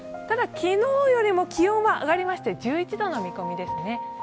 ただ、昨日よりも気温は上がりまして１１度の見込みですね。